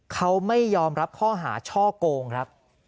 เขาไม่ยอมรับข้อหาช่อโกงครับ